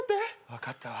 分かったわ。